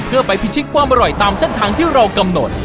เพื่อไปพิชิตความอร่อยตามเส้นทางที่เรากำหนด